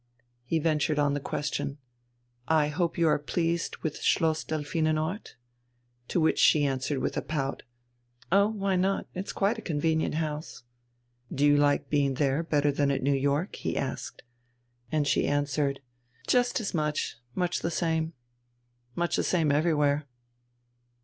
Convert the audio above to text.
He ventured on the question: "I hope you are pleased with Schloss Delphinenort?" To which she answered with a pout: "Oh, why not? It's quite a convenient house...." "Do you like being there better than at New York?" he asked. And she answered: "Just as much. It's much the same. Much the same everywhere."